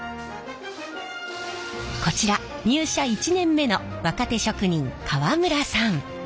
こちら入社１年目の若手職人川村さん。